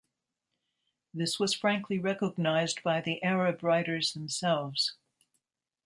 This was frankly recognised by the Arab writers themselves.